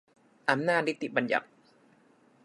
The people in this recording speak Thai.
อำนาจนิติบัญญัติ